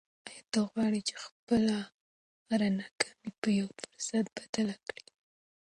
آیا ته غواړې چې خپله هره ناکامي په یو فرصت بدله کړې؟